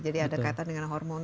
jadi ada kaitan dengan hormon